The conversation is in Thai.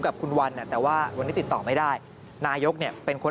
กับคุณวันแต่ว่าวันนี้ติดต่อไม่ได้นายกเนี่ยเป็นคน